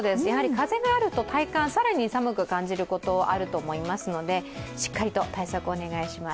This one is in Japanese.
風があると体感更に寒く感じることがあると思うのでしっかりと対策をお願いします。